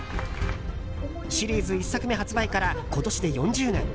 シリーズ１作目発売から今年で４０年。